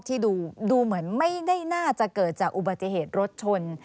ที่ดูเหมือนไม่ได้น่าจะเกิดจากอุบัติเหตุรถชน